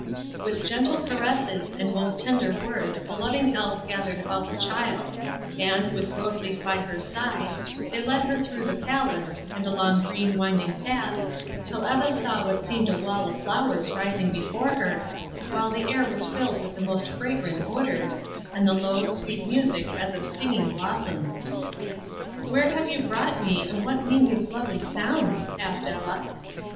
With gentle caresses and most tender words the loving Elves gathered about the child, and, with Rose Leaf by her side, they led her through the palace, and along green, winding paths, till Eva saw what seemed a wall of flowers rising before her, while the air was filled with the most fragrant odors, and the low, sweet music as of singing blossoms. "Where have you brought me, and what mean these lovely sounds?" asked Eva.